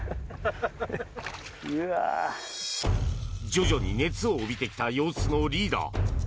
徐々に熱を帯びてきた様子のリーダー。